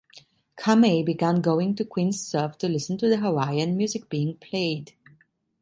Kamae began going to Queen's Surf to listen to the Hawaiian music being played.